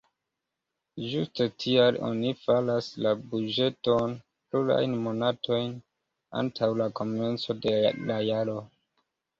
Ĝuste tial oni faras la buĝeton plurajn monatojn antaŭ la komenco de la jaro.